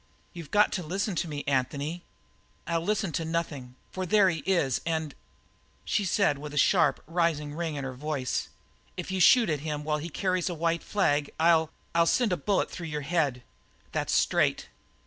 "You've got to listen to me, Anthony " "I'll listen to nothing, for there he is and " She said with a sharp, rising ring in her voice: "If you shoot at him while he carries that white flag I'll I'll send a bullet through your head that's straight!